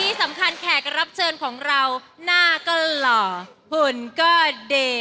ที่สำคัญแขกรับเชิญของเราหน้าก็หล่อหุ่นก็ดี